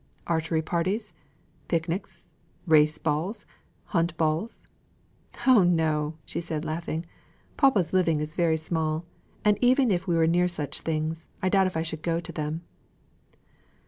"Archery parties pic nics race balls hunt balls?" "Oh no!" said she, laughing. "Papa's living is very small; and even if we were near such things, I doubt if I should go to them."